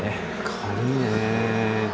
軽いね。